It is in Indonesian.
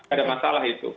ada masalah itu